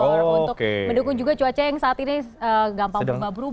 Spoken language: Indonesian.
untuk mendukung juga cuaca yang saat ini gampang berubah berubah